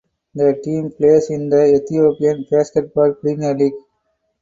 The team plays in the Ethiopian Basketball Premier League.